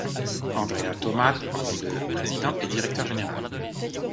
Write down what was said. Andrea Tomat en est le Président et Directeur Général.